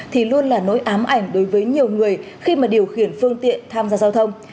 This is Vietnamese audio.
thì luôn là nỗi ám ảnh đối với nhiều người khi mà điều khiển phương tiện tham gia giao thông